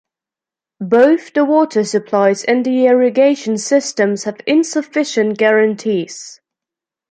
Both the water supplies and the irrigation systems have insufficient guarantees.